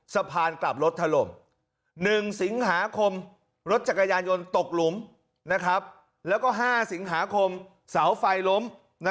สะพานกลับรถถล่ม๑สิงหาคมรถจักรยานยนต์ตกหลุมแล้วก็๕สิงหาคมเสาไฟล้ม